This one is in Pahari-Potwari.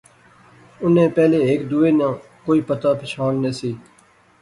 انیں پہلے ہیک دوہے ناں کوئی پتہ پچھان نہسی